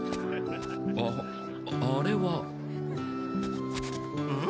あっあれはん？